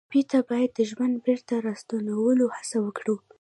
ټپي ته باید د ژوند بېرته راستنولو هڅه وکړو.